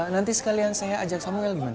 nanti sekalian saya ajak samuel gimana